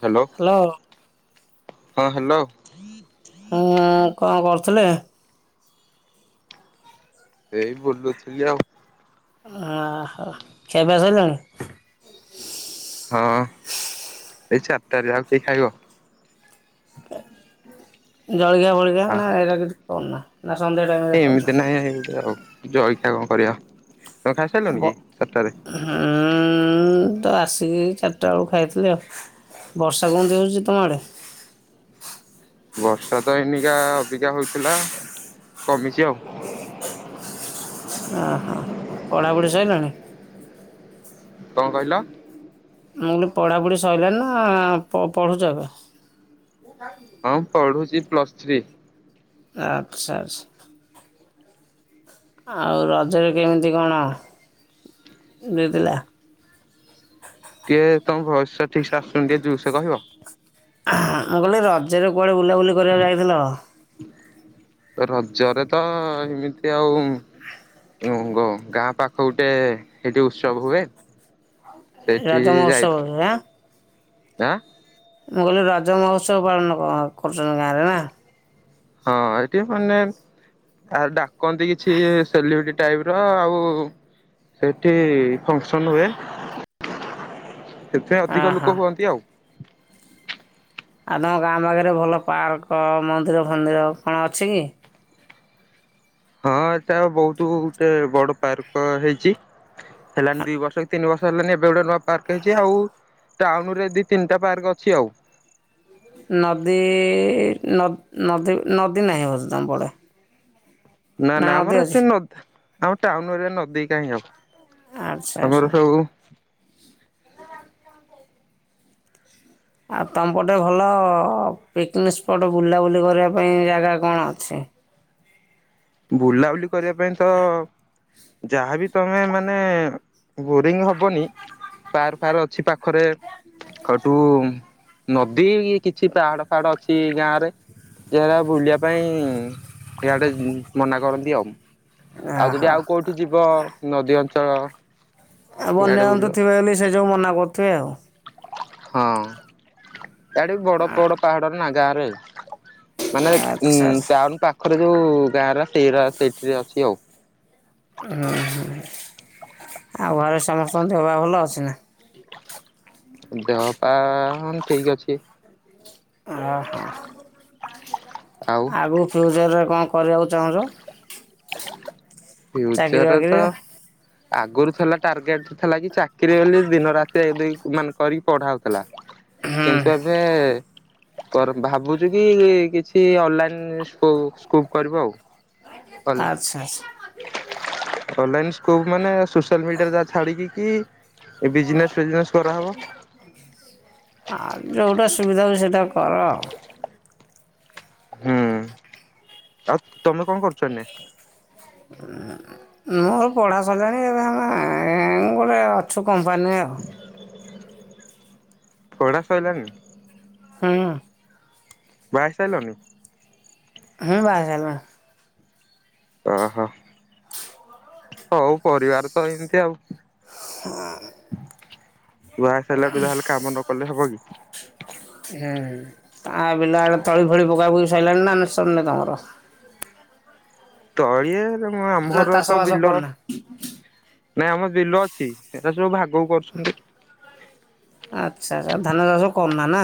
Hello hello. ହଁ hello. ହଁ କଣ କରୁଥିଲେ? ଏଇ ବୁଲୁଥିଲି ଆଉ ଓ ହୋ ଖିଆପିଆ ସରିଲାଣି? ହଁ, ଏଇ ଚାରିଟାରେ ଆଉ କେହି ଖାଇବ? ଜଳଖିଆ ଫଳିକିୟା ଆ ନା ଏଇଟା କିଛି କରନା। ଏମିତି ନାହିଁ ହେମତି ଆଉ ଜଳଖିଆ କଣ କରିବା? ତମେ ଖାଇସାରିଲଣି ବ, କି ଚାରିଟାରେ ହୁଁ ଉ ନ ତ ଆସିକି ଚାରିଟାବେଳେ ଖାଇଥିଲି ଆଉ, ବର୍ଷା କେମିତି ହଉଛି ତମ ଆଡ଼େ? [inaudible] ବର୍ଷା ତ ଏଇନିକା ଅବିକା ହଉଥିଲା କମିଛି ଆଉ। ଓହଃ ପଢାପଢି ସଇଲାଣି? କଁ କହିଲ? ମୁଁ କହିଲି ପଢ଼ାପଢ଼ି ସଇଲାନି ନା, ପଢୁଛ ଏବେ? ହଁ, ପଢୁଛି ପ୍ଲସ୍ ଥ୍ରୀ। ଆଚ୍ଛା, ଆଚ୍ଛା। ଆଉ ରଜରେ କେମିତି କଣ? ଦେଇଥିଲା? ଟିକେ ତମ ଭବିଷ୍ୟତ ଠିକ ସେ ଆସୁଛନ୍ତି ଟିକେ ଯୋର ସେ କହିବ? ମୁଁ କହିଲି ରଜରେ କୁଆଡେ ବୁଲାବୁଲି କରିବାକୁ ଯାଇଥିଲ? ରଜରେ ତ ଏମିତି ଆଉ ଉଁ ଗଁ ଗାଁ ପାଖ ଗୋଟେ ସେଠି ଉତ୍ସବ ହୁଏ। ସେଇଠି ରଜ ଯାଇଥିଲୁ ମହୋତ୍ସବରେ ଆଁ? ଆଁ? ମୁଁ କହିଲି ରଜ ମହୋତ୍ସବ ପାଳନ କରୁଛନ୍ତି ଗାଁ, ରେ ନା? ହଁ ଏଇଠି ମାନେ ଆହା, ଡାକନ୍ତି କିଛି ସେଲିବ୍ରେଟି ଟାଇପ ର ଆଉ ସେଠି ଫଙ୍କସନ ହୁଏ। [inaudible] ସେଥିପାଇଁ ଅଧିକ ଓହୋ। ଲୋକ ହୁଅନ୍ତି ଆଉ। ଆଉ ତମ ଗାଁ ପାଖରେ ଭଲ ପାର୍କ, ମନ୍ଦିର ଫନ୍ଦିର କଣ ଅଛି କି? ହଁ, ଏତା ବହୁତ ଗୋଟେ ବଡ ପାର୍କ ହେଇଛି। ହେଲାନି ଦୁଇ ବର୍ଷ କି ତିନି ବର୍ଷ ହେଲାନି ଏବେ ଗୋଟେ ନୂଆ ପାର୍କ ହେଇଛି ଆଉ ଟାଉନ ରେ ଦି, ତିନିଟା ପାର୍କ ଅଛି ଆଉ। ନଦୀ, ନଦୀ, ନଦୀ, ନାହିଁ ବୋଧେ ତମ ପଟେ। ନା, ନା ନଦୀ ଆମର ଅଛି? ଏଠି ନ ଆମ ଟାଉନ ଏରିଆ ନଦୀ କାହିଁ ଆଚ୍ଛା ହବ। ଆଚ୍ଛା। ଆମରସବୁ ଆଉ ତମ ପଟେ ଭଲ ପିକନିକ ସ୍ପଟ ବୁଲାବୁଲି କରିବା ପାଇଁ ଜାଗା କଣ ଅଛି? ବୁଲାବୁଲି କରିବା ପାଇଁ ତ ଯାହାବି ତମେ ମାନେ ବୋରିଙ୍ଗ ହବନି। ପାର୍କ, ଫାର୍କ ଅଛି ପାଖରେ ଖଟୁ ନଦୀ କିଛି ପାହାଡ, ଫାହାଡ଼, ଅଛି ଗାଁ ରେ [unintelligible] ବୁଲିବା ପାଇଁ ଆଡ଼େ ମନା କରନ୍ତି ଆଉ,। ଆଉ ଯଦି ଓହୋ। ଆଉ କୋଉଠି ଯିବ ନଦୀ ଅଞ୍ଚ ଆଉ ବନ୍ୟଜନ୍ତୁ ଥିବେବୋଲି ସେ ଯୋଗୁଁ ମନା କରୁଥିବେ ଆଉ। ହଁ, ୟାଡେ ବି ବଡ଼, ବଡ, ପାହାଡ ନା ଗାଁରେ। ମାନେ, ଆଚ୍ଛା ଆଚ୍ଛା। ଟାଉନ ପାଖରେ ଯୋଉ ଗାଁରା ସେଗୁରା ସେଇଠିରେ ଅଛି ଆଉ। ଉଁ, ହୁଁ। ଆଉ, ଘରେ ସମସ୍ତଙ୍କ ଦେହପା ଭଲ ଅଛି ନା? ଦେହପା ହଁ, ଠିକ ଅଛି। ଆ ହା, ଆଉ ଆଗକୁ ଫିଉଚର୍ ରେ କଣ? କରିବାକୁ ଚାହୁଁଛ। ଚାକିରି ଫ୍ୟୁଚରରେ, ବାକିରି ତ ଆଗରୁ ଥିଲା ଟାର୍ଗେଟ ଥିଲା କି ଚାକିରି ବୋଲି ଦିନ ରାତି ଏକ, ଦୁଇ, ମାନେ କରିକି ପଢା ହଉଥିଲା। ହୁଁ କିନ୍ତୁ, ଏବେ ଭାବୁଛୁ କି କିଛି ଅନଲାଇନ ସ୍କୁ ସ୍କୁବ କରିବୁ ଆଉ। ଅନ ଆଚ୍ଛା ଆଚ୍ଛା ଅନଲାଇନ ସ୍କୁବ ମାନେ ସୋସିଆଲ ମିଡିଆରେ ଯାହା ଛାଡିକି ଏ ବିଜନେସ ଫିଜନେସ୍ କରାହବ। ଆଉ ଯୋଉଟା ସୁବିଧା ହବ ସେଇଟା କର ଆଉ। ହୁଁ ଆଉ ତମେ କଣ କରୁଛ ଏଇନେ? ମୋର ପଢ଼ା ସାରିଲାଣି ଏବେ ଆମେ ଗୋଟେ ଅଛୁ କମ୍ପାନୀରେ ଆଉ। [inaudible] ହୁଁ। ବାହା ହେଇ ସାରିଲଣି? ହୁଁ ବାହା ହେଲିଣି। ଆ ହ। ହଉ ପରିବାର ତ ଏମିତି ଆଉ। ହୁଁ। ବାହାହେଇ ସାରିଲେ ତ ଯାହେଲେ କାମ ନ କଲେ ହବ କି? ତା ବିଲ ଆଡେ ତଳି ଫଳି ପକା ପକି ସାଇଲାଣି ନା ନା ସରିନି ତମର? ତଳି ଇ ନା ଆମର ଚାଷ ତ ବାସ ବିଲ କରୁନା ନାଇଁ ଆମ ବିଲ ଛି ସେରା ସବୁ ଭାଗକୁ କରୁଛନ୍ତି। ଆଚ୍ଛା ଧାନ ଚାଷ କରୁନ ନା?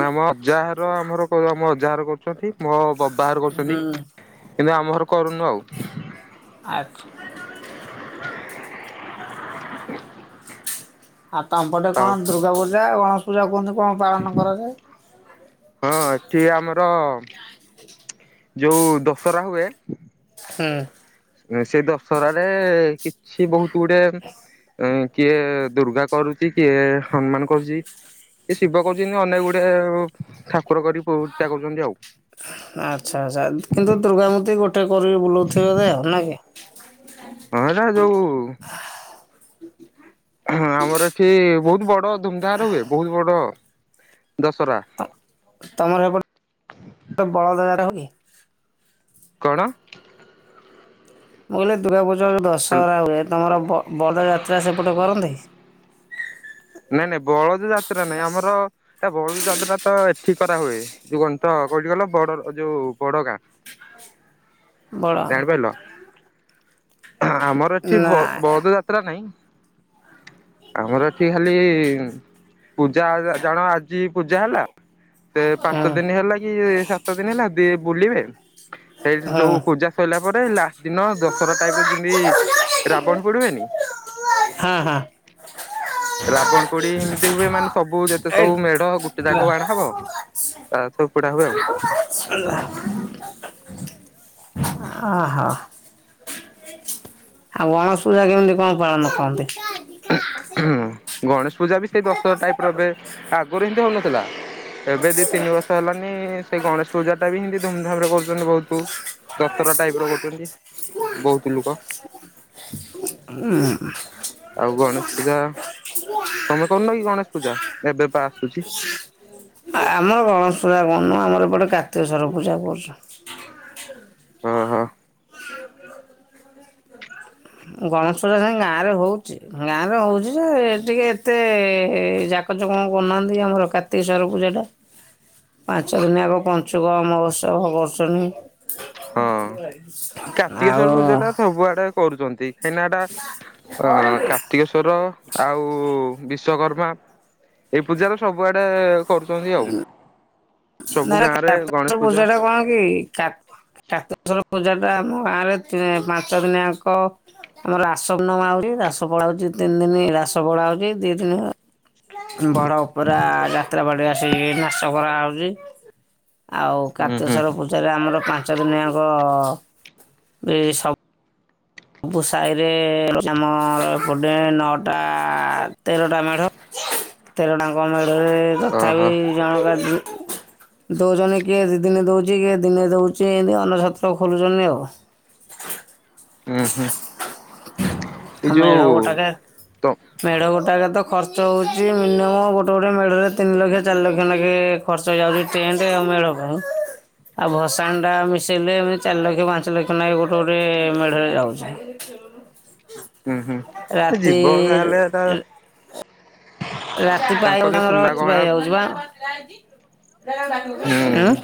ନା ମ ଅଜାଘର ଆମର ଆମ ଅଜା ଘର କରୁଛନ୍ତି ମୋ କ ବାହାର ହୁଁ। କରୁଛନ୍ତି, କିନ୍ତୁ ଆମ ଘର କରୁନୁ ଆଉ [unintelligible] ଆଉ ତମପଟେ କଣ ଆଉ ଦୁର୍ଗା ପୂଜା, ଗଣେଶ ପୂଜା କୁହନ୍ତୁ ହଁ, ଏଠି ଆମର ଯୋଉ ଦଶହରା ହୁଏ [unintelligible] ସେଇ ଦଶହରାରେ କିଛି ବହୁତ ଗୁଡେ ଇଁ କିଏ ଦୁର୍ଗା କରୁଛି? କିଏ ହନୁମାନ କରୁଛି? କିଏ ଶିବ କରଛନ୍ତି? ଅନେକ ଗୁଡେ କରି ପୂଜା କରୁଛନ୍ତି ଆଉ ଆଛା, ଆଛା, କିନ୍ତୁ ଦୁର୍ଗା ମୂର୍ତ୍ତି ଗୋ ଗୋଟେ କରିକି ବୁଲଉ ଥିବେ ଆଉ, ନାଇ କି? ହଁ, ଏଟା ଯଉ ହଁ, ଆମର ଏଠି ବହୁତ ବଡ ଧୁମଧାମ ରେ ହୁଏ, ବହୁତ ବଡ ଦଶହରା [unintelligible] କଣ? ମୁଁ କହିଲି ଦୂର୍ଗା ପୂଜା ଦଶହରା ହୁଏ, ତମର ବ ବଡ ଯାତ୍ରା ସେପଟେ କରନ୍ତି? ନାଇଁ ନାଇଁ ବଳଦ ଯାତ୍ରା ନାଇଁ, ଆମର ଏ ବଳଦ ଯାତ୍ରା ତ, ଏଠି କରା ହୁଏ ଯୋଉ କଣ ତ, କୋଉଠି କହିଲ -ବଡ ଯ ବଡ ଗାଁ ବଡ଼ ଜାଣିପାରିଲ ଆମର ଏଠି ବ ବଲଦ ଯାତ୍ରା ନାହିଁ [unintelligible] ଆମର ଏଠି ଖାଲି ପୂଜା ଜ ଜାଣ, ଆଜି ପୂଜା ହେଲା ସେ ହୁଁ ପାଞ୍ଚ ଦିନ ହେଲା କି, ସାତ ଦିନ ହେଲା ଦି ବୁଲିବେ। ସେଇ ହୁଁ ଯୋଉ ପୂଜା ସଇଲା ପରେ ଲାଷ୍ଟ ଦିନ ଦଶରା ଟାଇପ ର ଯେମିତି ରାବଣ ପୋଡି ହୁଏନି? ହଁ ହଁ। [unintelligible] [unintelligible] ରାବଣ ପୋଡି ଏମିତି ହୁଏ ମାନେ ସବୁ ଯେତେ ସବୁ ମେଢ ଗୋଟେ ଜାଗାକୁ ଆଣାହବ ତା ସବୁ ପୋଡା ହୁଏ ଆଉ। ହଁ, ହୋ ଆଉ ଗଣେଶ ପୂଜା କେମିତି କଣ ପାଳନ କରନ୍ତି? ଗଣେଶ ପୂଜା ବି ସେଇ ଦଶ ଟାଇପର ଏବେ, ଆଗରୁ ଏମତି ହଉନଥିଲା। ଏବେ ଦି ତିନି ବର୍ଷ ହେଲାନି, ସେଇ ଗଣେଶ ପୂଜା ଟା ବି ହିନ୍ ତି ଧୁମଧାମ ରେ କରୁଛନ୍ତି ବହୁତ। ଦଶହରା ଟାଇପର କରୁଛନ୍ତି, ବହୁତ ଲୋକ ଉଁ ହୁଁ ଆଉ ଗଣେଶ ପୂଜା? ତମେ କରୁନ କି ଗଣେଶ ପୂଜା? ଏବେ ପା ଆସୁଛି? ଆମର ଗଣେଶ ପୂଜା କଣନୁଁ, ଆମର ଏପଟେ କାର୍ତ୍ତିକେଶ୍ଵର ପୂଜା କରୁଛୁ। ହଁ ହଁ। ଗଣେଶ ପୂଜା ତାଙ୍କ ଗାଁରେ ହଉଛି, ଗାଁରେ ହଉଛି ଯେ ଟିକେ ଏତେ କାକଚ କଣ କରୁନାହାନ୍ତି, ଆମର କାର୍ତ୍ତିକେଶ୍ଵର ପୂଜାଟା ପାଞ୍ଚ ଦିନ ଆଗ ପଞ୍ଚୁକ ଅମାବାସ୍ୟା କରୁସନ୍ତି। ହଁ ଆଉ କାର୍ତ୍ତିକେଶ୍ଵର ପୂଜାଟା ସବୁଆଡେ କରୁଛନ୍ତି। ହେଇନାଟା ଅ କାର୍ତ୍ତିକେଶ୍ଵର ଆଉ ବି ବିଶ୍ୱକର୍ମା, ଏଇ ପୂଜାର ସବୁଆଡେ କରୁଛନ୍ତି ଆଉ ସବୁ ଗାଁ ରେ [unintelligible] ଗଣେଶ ପୂଜା ଟା କଣ କି [unintelligible] କାର୍ତ୍ତିକେଶ୍ଵର ପୂଜା ଟା ଆମ ଗାଁରେ ତି ପାଞ୍ଚ ଦିନିଆଙ୍କ ଆମର ଆସନମା ହୁଏ। ରାଷ ପଳା ହଉଛି ତିନି ଦିନି, ରାସ ପଳା ହଉଛି ଦି ଦିନ ବଡ ଅପେରା ଯାତ୍ରା ପାର୍ଟି ଆସି କି ନାଚ କରାହଉଛି। ଆଉ ହୁଁ ହୁଁ କାର୍ତ୍ତିସର ପୂଜାରେ ଆମର ପାଞ୍ଚ ଦିନିଆଙ୍କ ବି ସବୁ ସବୁ ସାାହିରେ ଆମର ଏପଟେ ନଅଟା, ତେରଟା ମେଢ ତେର ଟାଙ୍କ ମେଢରେ ତଥାପି ଓହୋ ଜଣକା ଦଉଛନ୍ତି, କିଏ ଦି ଦିନେ ଦଉଛି, କିଏ ଦିନେ ଦଉଛି, ଏମତି ଅନ୍ନ ଛତ୍ର ଖୋଲୁଛନ୍ତି ଆଉ। [unintelligible] ଉଁ ହୁଁ [inaudible] ଏଇ ଆ ମେଢ ଯୋଉ ଗୋଟାକେ ତ ମେଢ ଗୋଟ୍ ଟା ତ ଖର୍ଚ୍ଚ ହଉଛି ମିନିମମ୍ ଗୋଟେ ଗୋଟେ ମେଢରେ ତିନି ଲକ୍ଷ, ଚାରି ଲକ୍ଷ ଲେଖେ ଖର୍ଚ୍ଚ ହେଇ ଯାଉଛି। [unintelligible] ଆଉ ଭସାଣିଟା ମିଶେଇଲେ, ଏମତି ଚାରି ଲକ୍ଷ ପାଞ୍ଚ ଲକ୍ଷ ନେଖେ ଗୋଟେ ଗୋଟେ ମେଢରେ ଯାଉଛି। ହୁଁ, ହୁଁ, ରାତି ଯିବ ଯାହେଲେ ତା ରାତି ପାଇଲେ ତାଙ୍କର ରାତି ପାଇ ଯାଉଛି ବା ଉଁ ହୁଁ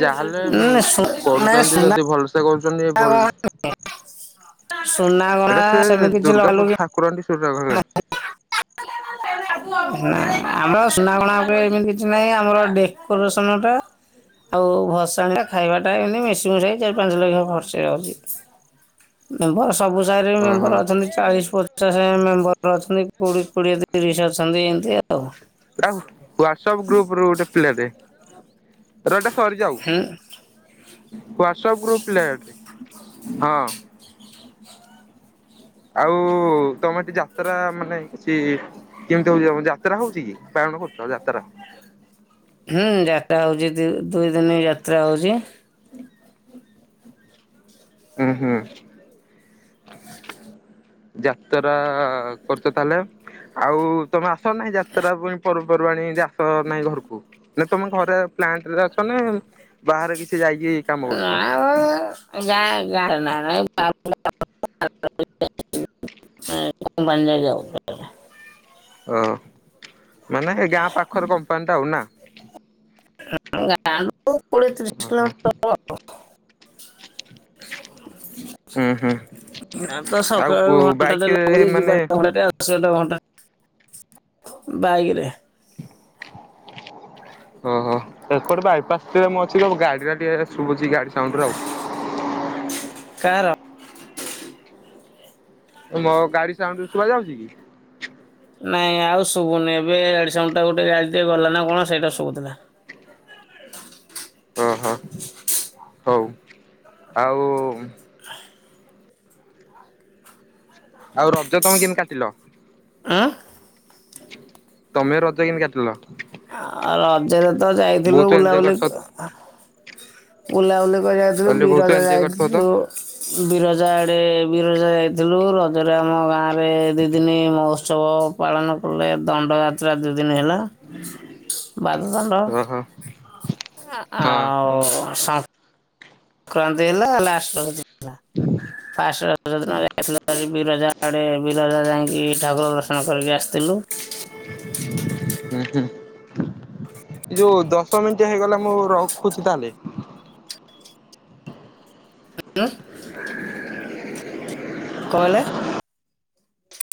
ଯାହାହେଲେ, ନା ସୁ- ନା କରୁଛନ୍ତି ସୁନା ଯଦି ଭଲସେ କରୁଛନ୍ତି ଭଲ ସୁନା ଗଣା ଏଇଟା ସେ ସେମିତି କିଛି ଦୁର୍ଗା ଲଗାଲୁଗି ଠାକୁରାଣୀ ସୁର [unintelligible] ନା ଆମର ସୁନା ଗଣା ଉପରେ ଏମିତି କିଛି ନାହିଁ, ଆମର ଡେକୋରେସନଟା ଆଉ ଭସାଣିଟା, ଖାଇବାଟା, ଏମିତି ମିଶିମିଶାକି ଚାରି ପାଞ୍ଚ ଲକ୍ଷ ଖର୍ଚ୍ଚ ଯାଉଛି। ମେମ୍ବର ସବୁ ସାର ଓହୋ ମେମ୍ବର ଅଛନ୍ତି ଚାଳିଶ ପଚାଶ ମେମ୍ବର ଅଛନ୍ତି, କୋଡିଏ କୋଡିଏ ଦ ତିରିଶି ଅଛନ୍ତି, ଏମିତି ଆଉ ଆଉ ହ୍ୱାଟ୍ସଆପ୍ ଗ୍ରୁପରୁ ଗୋଟେ ପିଲାଟେ ର ଏଟା ସରିଯାଉ, ହୁଁ ହ୍ବାଟ୍ସଆପ୍ ଗ୍ରୁପ ପିଲାଟେ ହଁ ଆଉ ତମେ ଏଠି ଯାତ୍ରା ମାନେ ସେ କେମିତି ହଉଛିମ, ଯାତ୍ରା ହଉଛି କି? ପାଳନ କରୁଛ ଯାତ୍ରା ହୁଁ ଯାତ୍ରା ହଉଛି, ଦି ଦୁଇ ଦିନ ଯାତ୍ରା ହଉଛି। ଉଁ ହୁଁ ଯାତରା କରୁଚ ତାହେଲେ, ଆଉ ତମେ ଚା ନାହିଁ ଯାତ୍ରା ପାଇଁ ପର୍ବପର୍ବାଣି ଜାସ ନାହିଁ ଘରକୁ ନା ତମେ ଘରେ ପ୍ଲାଣ୍ଟରେ ଅ ଛ ମାନେ ବାହାରେ କିଛି ଯାଇକି କାମ କରୁଛୁ। ଯା [unintelligible] [unintelligible] ଯାଉ ଓ, ମାନେ ଏ ଗାଁ ପାଖର କମ୍ପାନିଟା ହଉ ନା? ଗାଁ ଠୁ କୋଡ଼ିଏ ତିରିଶ ଓହୋ କିଲୋମିଟର। ଉଁ ହୁଁ। ଆ ତ ଆଉ ସକାଳୁ ଘଣ୍ଟା ଟେ ବାଇକରେ ଲାଗୁଚି, ମାନେ ଯିବାଟା ଘଣ୍ଟା ଟେ ଆସିବା ଟା ଘଣ୍ଟା ବାଇକରେ ଓହୋ, ଏ କଡେ ବାଇପାସ ରେ ମୁଁ ଅଛି ସବୁ ଗାଡିରେ ଟିକେ ଶୁଭୁଛି ଗା ସାଉଣ୍ଡ ଗୁରା ଆଉ। କାହାର? ମୋ ଗାଡି ସାଉଣ୍ଡ ଶୁଭା ଯାଉଛି କି? ନାଇଁ ଆଉ ଶୁଭୁନି, ଏବେ ଗାଡ଼ି ସାଉଣ୍ଡ ଟା ଗୋଟେ ଗାଡି ଟେ ଗଲା ନା କଣ, ସେଇଟା ଶୁଭୁଥିଲା। [unintelligible] ଓହୋ, ହଉ ଆଉ ଆଉ ରଜ ତମେ କେମିତି କାଟିଲ? ଆଁ ତମେ ରଜ କେମତି କାଟିଲ? ଆଉ ରଜରେ ତ ଯାଇଥିଲୁ, ବହୁତ ଏଞ୍ଜୟ ବୁଲାବୁଲି କରିଥିବ ବୁଲାବୁଲି ଯାଇଥିଲୁ, କହିଲେ ବହୁତ ବିରଜା ଏଞ୍ଜୟ କରିଥିବ ତ ଯାଇଥିଲୁ, ବିରଜା ଆଡ଼େ ଗୋଟେ ବିରଜା ଯାଇଥିଲୁ, ରଜରେ ଆମ ଗାଁ ରେ ଦି ଦିନି ମହୋତ୍ସବ ପାଳନ କଲେ। ଦଣ୍ଡ ଯାତ୍ରା ଦୁ ଦିନ ହେଲା, ବାଦ ଦଣ୍ଡ। ଓହୋ। ହଁ ଆ-ଆଉ ସ ସଂକ୍ରାନ୍ତି ହେଲା, ଲାଷ୍ଟ ରଜ ଦିନ ହେଲା ଫାର୍ଷ୍ଟ ର ରଜ ଦିନ ଯାଇଥିଲୁ ବିରଜା ଆଡେ ବିରଜା ଯାଇକି ଠାକୁର ଦର୍ଶନ କରିକି ଆସିଥିଲୁ। [inaudible] ହୁଁ ହୁଁ। ଏ ଯୋଉ ଦଶ ମିନିଟ୍ ହେଇଗଲା ମୁଁ ରଖୁଛି ତାହେଲେ। ହୁଁ କଣ କହିଲେ?